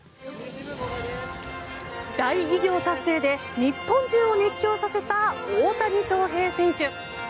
大偉業達成で日本中を熱狂させた大谷翔平選手。